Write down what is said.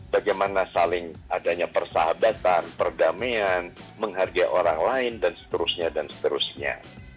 bagaimana saling adanya persahabatan perdamaian menghargai orang lain dan seterusnya dan seterusnya